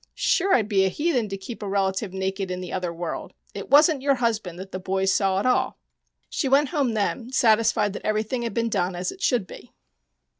Sure I'd be a heathen to keep a relative naked in the other world. It wasn't your husband that the boys saw at all." She went home then, satisfied that everything had been done as it should be.